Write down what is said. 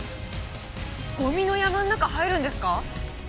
ゴミの山の中入るんですか？